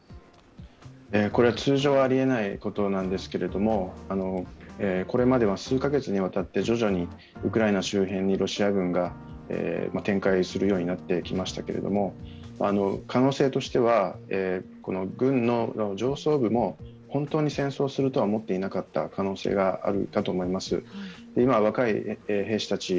これは通常、ありえないことなんですけれどもこれまで数カ月にわたって徐々にウクライナ周辺にロシア軍が展開するようになってきましたけれども、可能性としては、軍の上層部も本当に戦争するとは思っていなかった可能性があると思います。